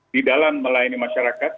di dalam melayani masyarakat